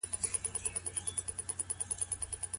د لاس لیکنه د لویو کارونو د ترسره کولو پیل دی.